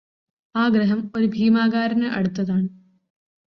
ആ ഗ്രഹം ഒരു ഭീമകാരന് അടുത്താണ്